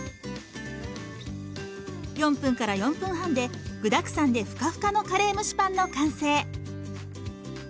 ４分から４分半で具だくさんでふかふかのカレー蒸しパンの完成。